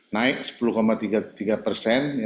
naik sepuluh tiga puluh tiga persen